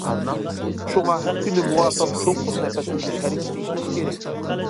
شۇڭا، ھەر كۈنى مۇۋاپىق چوڭقۇر نەپەسلىنىش ھەرىكىتى ئىشلەش كېرەك.